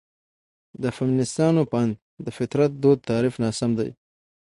د فيمنستانو په اند: ''...د فطرت دود تعريف ناسم دى.